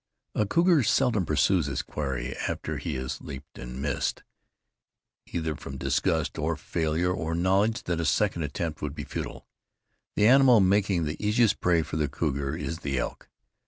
A cougar seldom pursues his quarry after he has leaped and missed, either from disgust or failure, or knowledge that a second attempt would be futile. The animal making the easiest prey for the cougar is the elk.